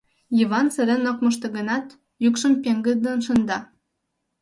— Йыван сырен ок мошто гынат, йӱкшым пеҥгыдын шында.